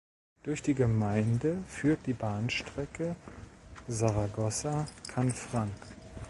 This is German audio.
Durch die Gemeinde führt die Bahnstrecke Saragossa–Canfranc.